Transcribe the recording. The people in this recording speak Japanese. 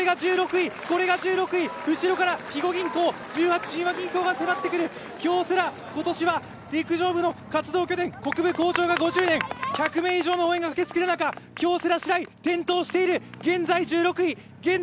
これが１６位、後ろから肥後銀行、後ろから肥後銀行、１８、親和銀行が迫ってくる京セラ、今年は陸上部の活動拠点、北部工場が５０年、１００名以上の応援が駆けつける中、京セラ・白井、転倒している、現在１６位。